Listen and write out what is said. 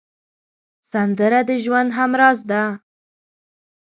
سندره د ژوند همراز ده